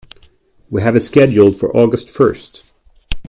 We have it scheduled for August first.